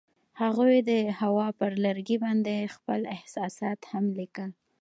هغوی د هوا پر لرګي باندې خپل احساسات هم لیکل.